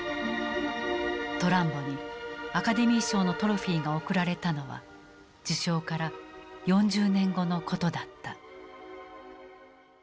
トランボにアカデミー賞のトロフィーが贈られたのは受賞から４０年後のことだった。